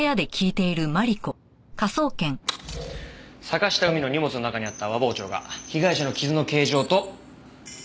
坂下海の荷物の中にあった和包丁が被害者の傷の形状と一致しました。